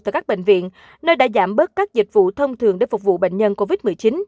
từ các bệnh viện nơi đã giảm bớt các dịch vụ thông thường để phục vụ bệnh nhân covid một mươi chín